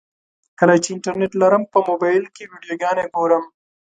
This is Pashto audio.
کله چې انټرنټ لرم په موبایل کې ویډیوګانې ګورم.